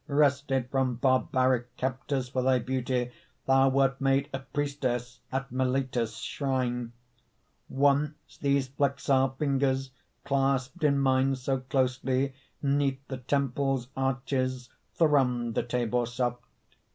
Wrested from barbaric Captors for thy beauty, Thou wert made a priestess At Mylitta's shrine. Once these flexile fingers Clasped in mine so closely, Neath the temple's arches Thrummed the tabor soft.